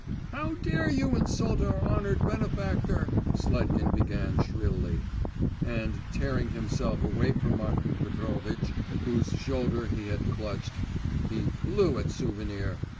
'How dare you insult our honoured benefactor?' Sletkin began shrilly, and, tearing himself away from Martin Petrovitch, whose shoulder he had clutched, he flew at Souvenir.